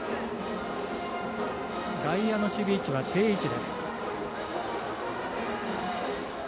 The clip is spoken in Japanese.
外野の守備位置は定位置。